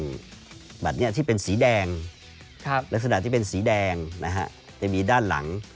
บัตรนี้ที่เป็นสีแดงลักษณะที่เป็นสีแดงนะฮะจะมีด้านหลัง